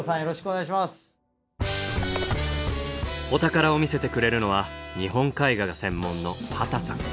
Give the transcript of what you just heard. お宝を見せてくれるのは日本絵画が専門の畑さん。